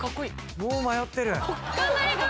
もう迷ってる。